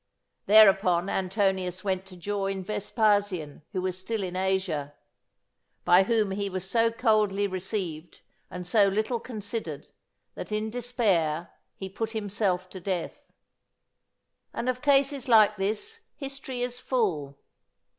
Thereupon Antonius went to join Vespasian, who was still in Asia; by whom he was so coldly received and so little considered, that in despair he put himself to death. And of cases like this, history is full.